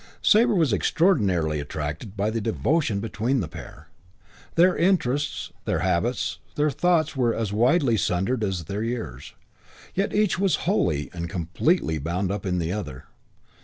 Sabre was extraordinarily attracted by the devotion between the pair. Their interests, their habits, their thoughts were as widely sundered as their years, yet each was wholly and completely bound up in the other.